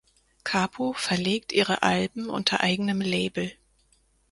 Carbo verlegt ihre Alben unter eigenem Label.